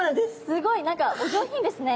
すごい何かお上品ですね